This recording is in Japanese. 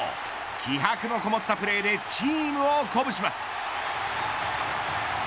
気迫のこもったプレーでチームを鼓舞します。